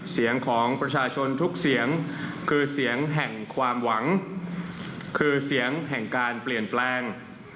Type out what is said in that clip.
เสียงของประชาชนทุกเสียงคือเสียงแห่งความหวังคือเสียงแห่งการเปลี่ยนแปลง